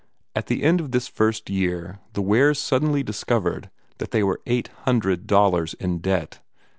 At the end of this first year the Wares suddenly discovered that they were eight hundred dollars in debt.